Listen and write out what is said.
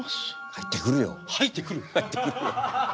入ってくるよ。